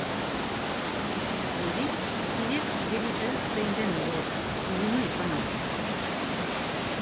Aldiz, mutilek argi dute zein den egoera, iluna izan arren.